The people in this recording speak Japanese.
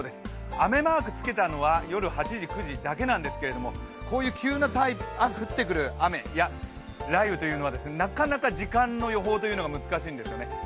雨マークをつけたのは夜８時、９時だけなんですが、こういう急に降ってくる雨、雷雨というのはなかなか時間の予報というのが難しいんですよね。